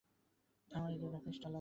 আমার দুইটা পৃষ্ঠা লাগবে।